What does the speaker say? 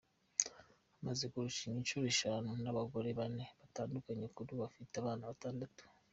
Amaze kurushinga inshuro eshanu n’abagore bane batandukanye, kuri ubu afite abana batatu.